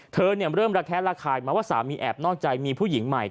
เริ่มระแคะระคายมาว่าสามีแอบนอกใจมีผู้หญิงใหม่